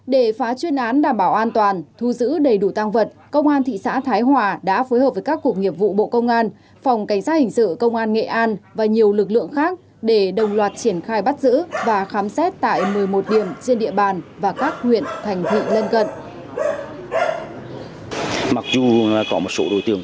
để phá chuyên án đảm bảo an toàn thu giữ đầy đủ tăng vật công an thị xã thái hòa đã phối hợp với các cục nghiệp vụ bộ công an phòng cảnh sát hình sự công an nghệ an và nhiều lực lượng khác để đồng loạt triển khai bắt giữ và khám xét tại một mươi một điểm trên địa bàn và các nguyện thành thị lân cận